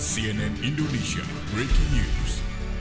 cnn indonesia breaking news